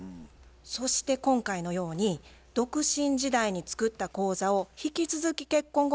そして今回のように独身時代に作った口座を引き続き結婚後も使う場合